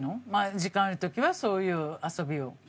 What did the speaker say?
時間ある時はそういう遊びを。